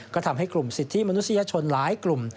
ก็ทำให้กลุ่มสิทธิมนุษยชนหลายกลุ่ม